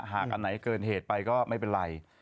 อันไหนเกินเหตุไปก็ไม่เป็นไร